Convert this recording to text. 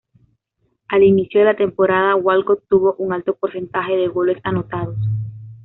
Al inicio de la temporada, Walcott tuvo un alto porcentaje de goles anotados.